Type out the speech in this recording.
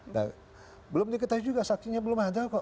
nah belum diketahui juga saksinya belum ada kok